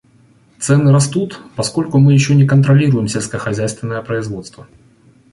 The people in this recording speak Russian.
Цены растут, поскольку мы еще не контролируем сельскохозяйственное производство.